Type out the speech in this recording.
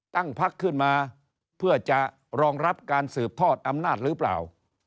ตั้งพักขึ้นมาเพื่อจะรองรับการสืบทอดอำนาจหรือเปล่า